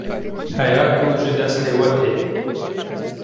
heya ku ji destê we tê